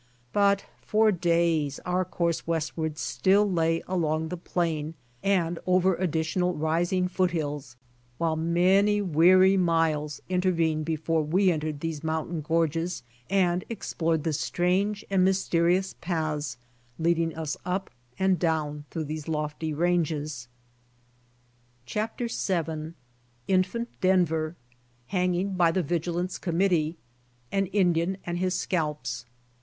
But for days our course westward 52 BY ox TEAM TO CALIFORNIA still lay along the plain and over additional rising foothills, while many weary miles intervened before we entered these mountain gorges and explored the strange and mysterious paths leading us up and down through those lofty ranges. CHAPTER yil. INFANT DENVER. — HANGING BY THE VIGILANCE COM MITTEE. AN INDIAN AND HIS SCALPS.